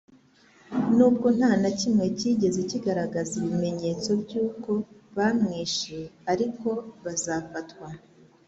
nubwo nta na kimwe cyigeze kigaragaza ibimenyetso byuko bamwisheariko bazafatwa